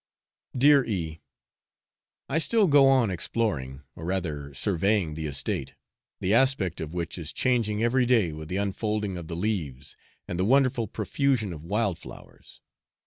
Dear E . I still go on exploring, or rather surveying, the estate, the aspect of which is changing every day with the unfolding of the leaves and the wonderful profusion of wild flowers.